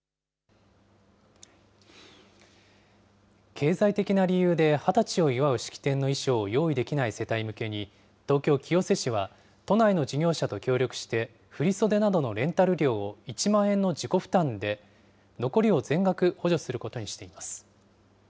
経済的な理由で２０歳を祝う式典の衣装を用意できない世帯向けに、東京・清瀬市は、都内の事業者と協力して、振り袖などのレンタル料を１万円の自己負担で、残りを全額補助することにしています。